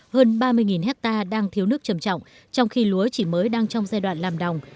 hơn ba mươi hectare đang thiếu nước trầm trọng trong khi lúa chỉ mới đang trong giai đoạn làm đồng